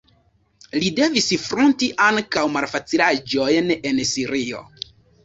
Li devis fronti ankaŭ malfacilaĵojn en Sirio.